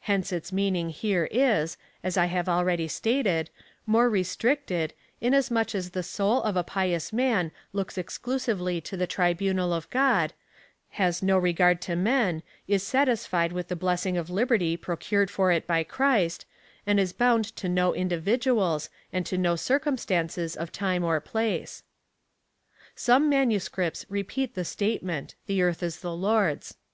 Hence its meaning here is, as I have al ready stated, more restricted, inasmuch as the soul of a pious man looks exclusively to the tribunal of God, has no regard to men, is satisfied with the blessing of liberty pro cured for it b}'' Christ, and is bound to no individuals, and to no circumstances of time or place. Some manuscripts repeat the statement — The earth is the Lord's.